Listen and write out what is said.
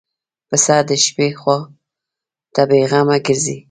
پسه د شپې خوا ته بېغمه ګرځي.